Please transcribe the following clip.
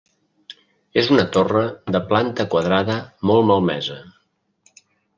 És una torre de planta quadrada molt malmesa.